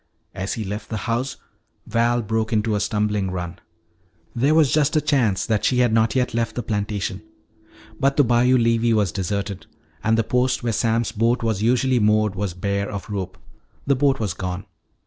As he left the house Val broke into a stumbling run. There was just a chance that she had not yet left the plantation. But the bayou levee was deserted. And the post where Sam's boat was usually moored was bare of rope; the boat was gone.